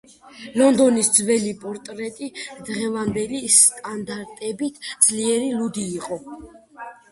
ლონდონის ძველი პორტერი დღევანდელი სტანდარტებით ძლიერი ლუდი იყო.